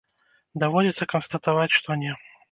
Даводзіцца канстатаваць, што не.